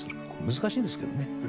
難しいですけどね。